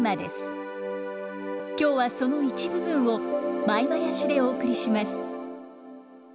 今日はその一部分を舞囃子でお送りします。